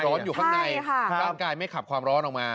ร้อนอยู่ข้างในการกายไม่ขับความร้อนขึ้นมา